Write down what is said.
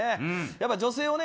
やっぱり女性はね。